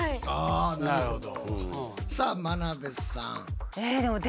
あなるほど。